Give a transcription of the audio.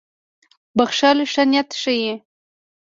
• بښل ښه نیت ښيي.